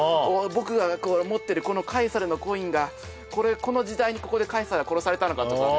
僕が持ってるこのカエサルのコインがこの時代にここでカエサルが殺されたのかとかね